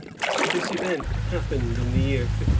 This event happened in the year 1572.